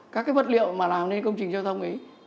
các cái vật liệu mà làm nên công trình giao thông ấy